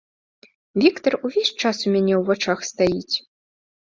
Віктар увесь час ў мяне ў вачах стаіць.